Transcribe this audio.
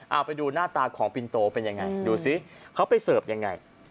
เอาไปดูหน้าตาของปินโตเป็นยังไงดูสิเขาไปเสิร์ฟยังไง